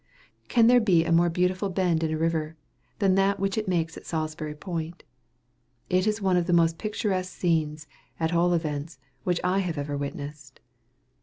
Can there be a more beautiful bend in a river, than that which it makes at Salisbury Point? It is one of the most picturesque scenes, at all events, which I have ever witnessed.